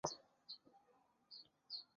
两河在须水镇大榆林村交汇。